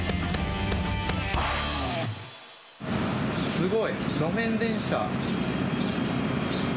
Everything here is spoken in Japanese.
すごい、路面電車。